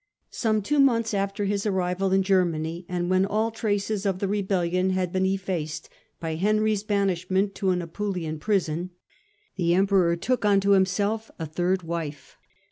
Some two months after his arrival in Germany, and when all traces of the rebellion had been effaced by Henry's banishment to an Apulian prison, the Emperor took unto himself a third wife.